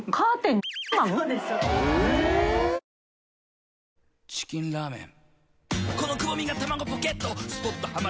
呂ぁチキンラーメン。